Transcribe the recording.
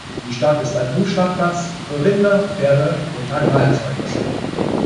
Die Stadt ist ein Umschlagplatz für Rinder, Pferde und Agrarerzeugnisse.